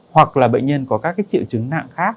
hoặc là bệnh nhân có các triệu chứng nặng khác